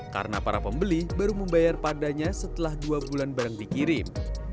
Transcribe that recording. karena para pembeli baru membayar padanya setelah dua bulan barang dikirim